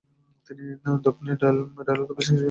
তিনি দক্ষিণ রেলওয়েতে অফিসার হিসাবে নিযুক্ত হন।